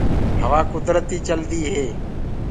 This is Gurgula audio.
هوآ ڪُدرتيٚ چلدو هي